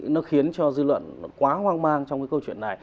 nó khiến cho dư luận quá hoang mang trong cái câu chuyện này